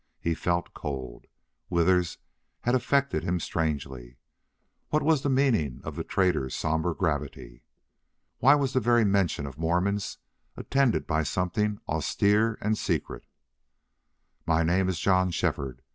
He felt cold. Withers had affected him strangely. What was the meaning of the trader's somber gravity? Why was the very mention of Mormons attended by something austere and secret? "My name is John Shefford.